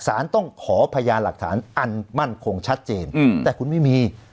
สารต้องขอพยานหลักฐานอันมั่นคงชัดเจนแต่คุณไม่มี